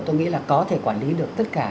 tôi nghĩ là có thể quản lý được tất cả